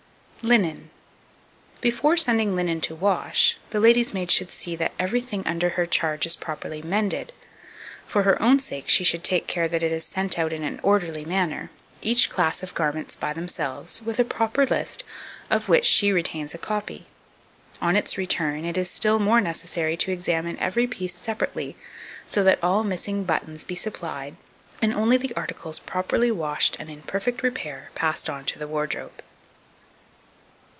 2278. Linen. Before sending linen to wash, the lady's maid should see that everything under her charge is properly mended; for her own sake she should take care that it is sent out in an orderly manner, each class of garments by themselves, with a proper list, of which she retains a copy. On its return, it is still more necessary to examine every piece separately, so that all missing buttons be supplied, and only the articles properly washed and in perfect repair passed into the wardrobe.